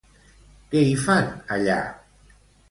Què hi fan allà?